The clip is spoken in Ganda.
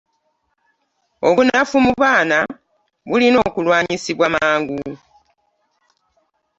Obunafu mu baana bulina okulwanyisibwa mangu.